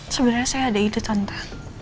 sebenarnya saya ada ide tante